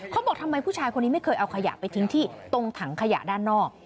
เขาบอกทำไมผู้ชายคนนี้ไม่เคยเอาขยะไปทิ้งที่ตรงถังขยะด้านนอก